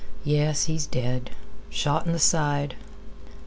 "Yes. He's dead. Shot in th' side."